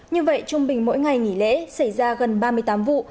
như vậy trung bình mỗi ngày nghỉ lễ xảy ra gần ba mươi tám vụ